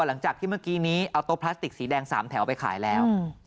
หลังจากที่เมื่อกี้นี้เอาโต๊ะพลาสติกสีแดง๓แถวไปขายแล้ว